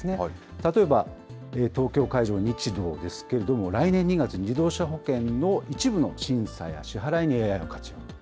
例えば、東京海上日動ですけれども、来年２月に自動車保険の一部の審査や支払いにＡＩを活用と。